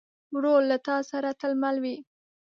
ورور له تا سره تل مل وي.